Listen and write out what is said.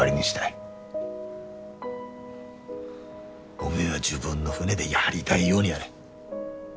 おめえは自分の船でやりだいようにやれ。